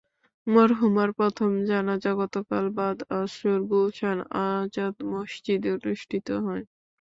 মরহুমার প্রথম জানাজা গতকাল বাদ আসর গুলশান আজাদ মসজিদে অনুষ্ঠিত হয়।